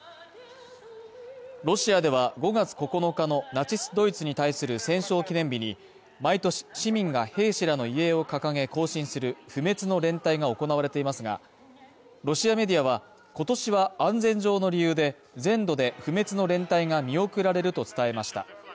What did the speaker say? ロシアでは５月９日のナチス・ドイツに対する戦勝記念日に毎年、市民が兵士らの遺影を掲げ行進する不滅の連隊が行われていますが、ロシアメディアは今年は安全上の理由で、全土で不滅の連隊が見送られると伝えました。